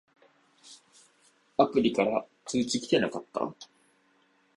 アプリから通知きてなかった？